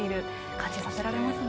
感じさせられますね。